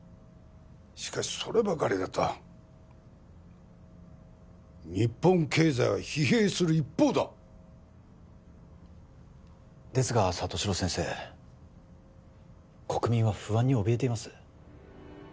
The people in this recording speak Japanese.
しかしそればかりだと日本経済は疲弊する一方だですが里城先生国民は不安におびえています